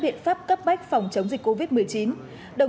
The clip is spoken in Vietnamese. tất cả tiền